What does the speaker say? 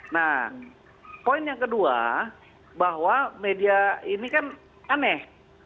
nah poin yang kedua bahwa media ini kan aneh